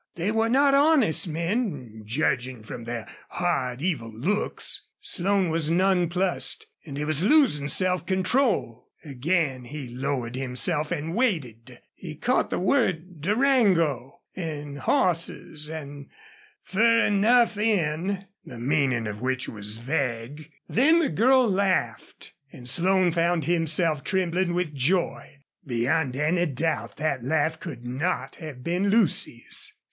They were not honest men, judging from their hard, evil looks. Slone was nonplussed and he was losing self control. Again he lowered himself and waited. He caught the word "Durango" and "hosses" and "fer enough in," the meaning of which was, vague. Then the girl laughed. And Slone found himself trembling with joy. Beyond any doubt that laugh could not have been Lucy's.